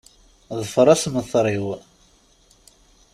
Ḍfeṛ assemter-iw!